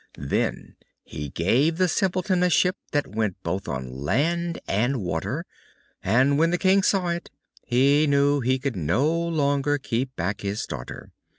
Then he gave the Simpleton a ship that went both on land and water, and when the King saw it he knew he could no longer keep back his daughter.